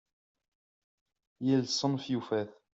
Yal ssenf yufa-t.